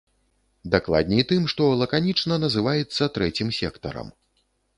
Дакладней, тым, што лаканічна называецца трэцім сектарам.